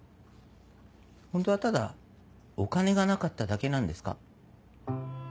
ホントはただお金がなかっただけなんですか？